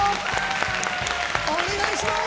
お願いします！